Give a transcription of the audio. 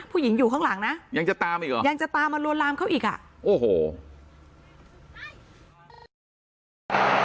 ผู้หญิงอยู่ข้างหลังนะยังจะตามอีกเหรอยังจะตามมาลวนลามเขาอีกอ่ะโอ้โห